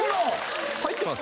入ってます？